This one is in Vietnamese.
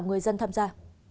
người dân tham gia